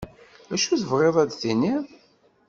Acu tebɣiḍ ad tiniḍ?